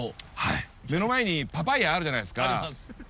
目の前にパパイヤあるじゃないですか。